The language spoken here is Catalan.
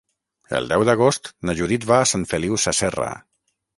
El deu d'agost na Judit va a Sant Feliu Sasserra.